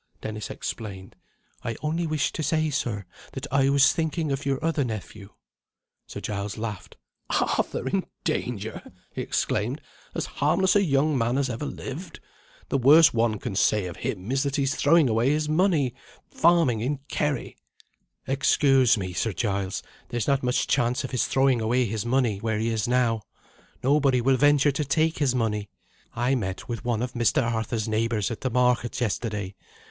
Dennis explained. "I only wished to say, sir, that I was thinking of your other nephew." Sir Giles laughed. "Arthur in danger!" he exclaimed. "As harmless a young man as ever lived. The worst one can say of him is that he is throwing away his money farming in Kerry." "Excuse me, Sir Giles; there's not much chance of his throwing away his money, where he is now. Nobody will venture to take his money. I met with one of Mr. Arthur's neighbours at the market yesterday.